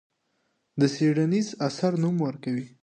د څېړنیز اثر نوم ورکوي.